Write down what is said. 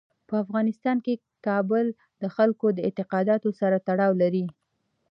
په افغانستان کې کابل د خلکو د اعتقاداتو سره تړاو لري.